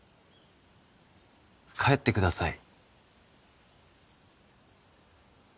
帰ってください。